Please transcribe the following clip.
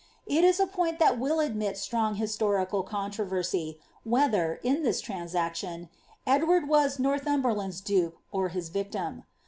It is a point that wi)l adoiii atvo^g Us tocical controversy, whether, in Uiis trapsaotioD, Edw^ was NoiSihb berland's dupe, or his victim.'